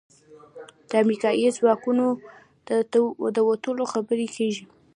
د امریکايي ځواکونو د وتلو خبرې کېږي.